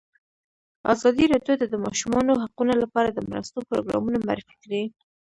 ازادي راډیو د د ماشومانو حقونه لپاره د مرستو پروګرامونه معرفي کړي.